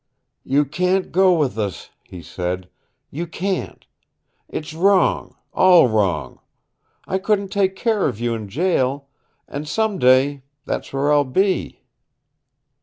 "You can't go with us," he said. "You can't. It's wrong all wrong. I couldn't take care of you in jail, and some day that's where I'll be."